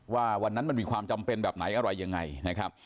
ว่าวันนั้นมันมีความจำเป็นแบบไหนอะไรยังไงนะครับ